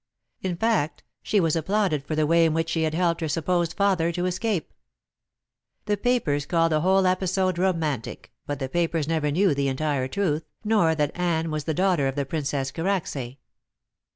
In fact, she was applauded for the way in which she had helped her supposed father to escape. The papers called the whole episode romantic, but the papers never knew the entire truth, nor that Anne was the daughter of the Princess Karacsay.